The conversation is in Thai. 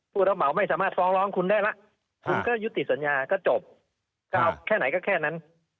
ผู้ระเบาไม่สามารถฟองร้องคุณได้ล่ะคุณก็ยุติสัญญาก็จบถ้าแค่ไหนก็แค่นั้น